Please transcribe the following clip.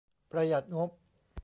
ประหยัดงบ